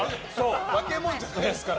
化けもんじゃないですから。